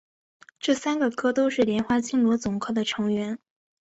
这三个科都是莲花青螺总科的成员。